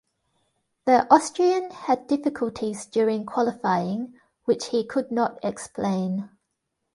The Austrian had difficulties during qualifying which he could not explain.